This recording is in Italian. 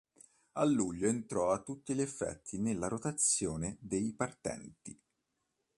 A luglio entrò a tutti gli effetti nella rotazione dei partenti.